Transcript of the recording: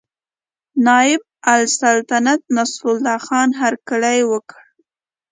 نایب السلطنته نصرالله خان هرکلی وکړ.